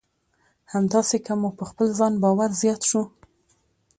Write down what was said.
همداسې که مو په خپل ځان باور زیات شو.